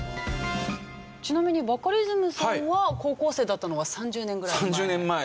ちなみにバカリズムさんは高校生だったのは３０年ぐらい前？